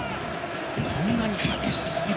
こんなに激しすぎる。